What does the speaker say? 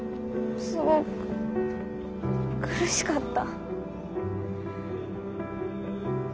すごく苦しかった。